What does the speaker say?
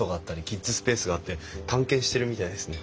キッズスペースがあって探検してるみたいですね。